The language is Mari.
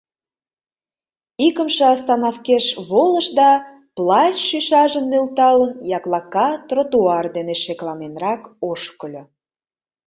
Икымше остановкеш волыш да, плащ шӱшажым нӧлталын, яклака тротуар дене шекланенрак ошкыльо.